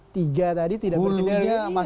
tiga tadi tidak berjadinya